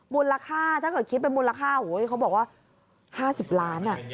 มูลค่าถ้าเกิดคิดเป็นมูลค่าเขาบอกว่า๕๐ล้าน